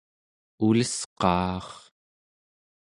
ulesqaar